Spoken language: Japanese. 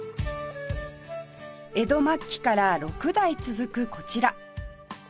江戸末期から６代続くこちら